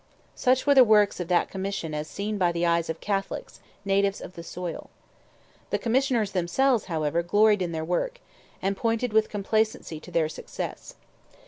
Such were the works of that Commission as seen by the eyes of Catholics, natives of the soil. The Commissioners themselves, however, gloried in their work, and pointed with complacency to their success.